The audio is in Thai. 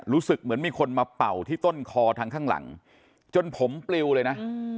รู้สึกเหมือนมีคนมาเป่าที่ต้นคอทางข้างหลังจนผมปลิวเลยนะ